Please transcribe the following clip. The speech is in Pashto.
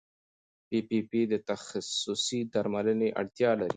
پي پي پي د تخصصي درملنې اړتیا لري.